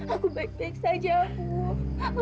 aku baik baik saja